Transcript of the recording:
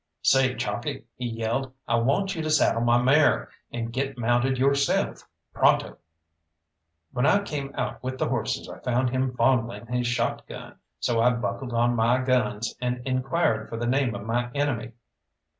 "Say, Chalkeye," he yelled, "I want you to saddle my mare, and get mounted yourself! Pronto!" When I came out with the horses I found him fondling his shot gun, so I buckled on my guns, and inquired for the name of my enemy.